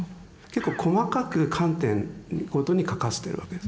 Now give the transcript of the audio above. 結構細かく観点ごとに書かせてるわけです。